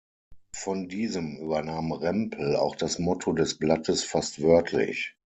Von diesem übernahm Rempel auch das Motto des Blattes fast wörtlich.